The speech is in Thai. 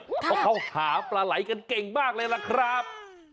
เพราะเขาหาปลาไหล่กันเก่งมากเลยล่ะครับ